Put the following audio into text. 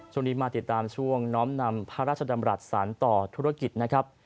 ช่วงนี้มาติดตามช่วงน้อมนำพระราชดำรัฐสารต่อธุรกิจนะครับ